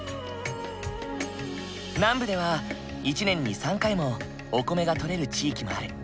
南部では１年に３回もお米が取れる地域もある。